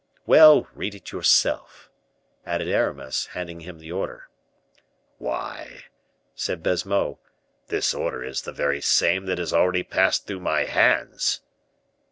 "Well, read it yourself," added Aramis, handing him the order. "Why," said Baisemeaux, "this order is the very same that has already passed through my hands."